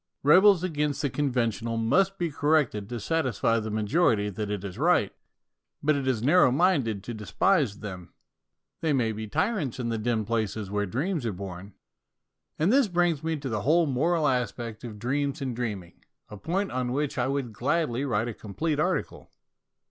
Rebels against the conventional must be corrected to satisfy the majority that it is right ; but it is narrow minded to despise them. They may be tyrants in the dim places where dreams are born. And this brings me to the whole moral DREAMING AS AN ART 39 aspect of dreams and dreaming, a point on which I would gladly write a complete article.